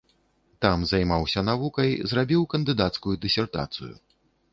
Там займаўся навукай, зрабіў кандыдацкую дысертацыю.